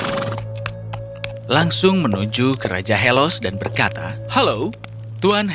kalimat yang mempersaad adalah perkhidmatan